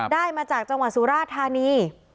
มาจากจังหวัดสุราธานี